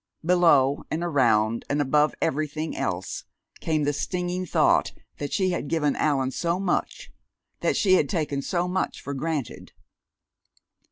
Below and around and above everything else came the stinging thought that she had given Allan so much that she had taken so much for granted.